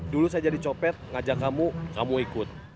dulu saya jadi copet ngajak kamu kamu ikut